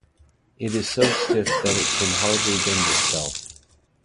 It is so stiff that it can hardly bend itself.